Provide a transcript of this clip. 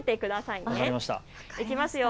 いきますよ。